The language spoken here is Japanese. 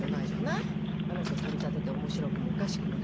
あの子とりたてて面白くもおかしくもないんだから。